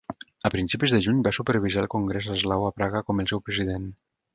A principis de juny va supervisar el Congrés Eslau a Praga com el seu president.